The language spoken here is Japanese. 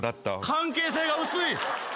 関係性が薄い。